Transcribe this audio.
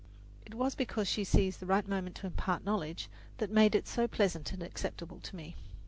It was because she seized the right moment to impart knowledge that made it so pleasant and acceptable to me.